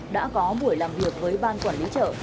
đã có buổi làm việc với ban quản lý chợ